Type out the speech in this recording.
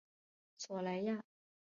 索莱亚。